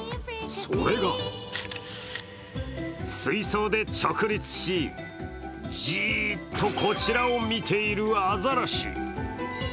それが水槽で直立し、じーっとこちらを見ているあざらし。